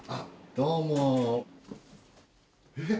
どうも。